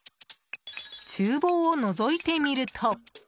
厨房をのぞいてみると。